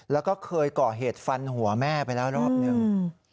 แล้วก็เคยก่อเหตุฟันหัวแม่ไปแล้วรอบหนึ่ง